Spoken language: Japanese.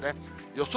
予想